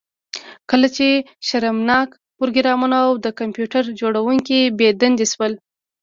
کله چې شرمناک پروګرامر او د کمپیوټر جوړونکی بې دندې شول